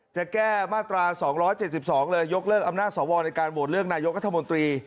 จะแก้มาตรา๒๗๒เลยยกเลิกอำนาจสวรรค์ในการโบสถ์เรื่องนายกธมนตรี